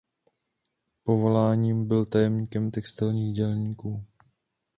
Povoláním byl tajemníkem textilních dělníků.